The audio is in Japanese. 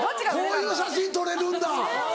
こういう写真撮れるんだ。